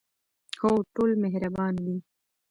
هو، ټول مهربانه دي